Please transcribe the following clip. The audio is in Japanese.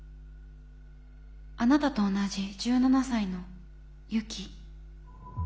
あなたと同じ１７才のユキ。